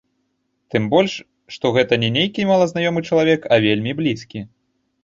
Тым больш, што гэта не нейкі малазнаёмы чалавек, а вельмі блізкі.